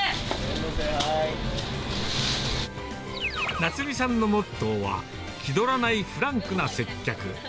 奈津実さんのモットーは、気取らないフランクな接客。